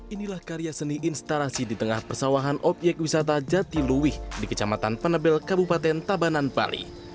inilah karya seni instalasi di tengah persawahan obyek wisata jatiluwih di kecamatan penebel kabupaten tabanan bali